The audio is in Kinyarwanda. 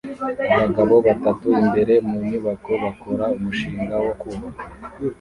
Abagabo batatu imbere mu nyubako bakora umushinga wo kubaka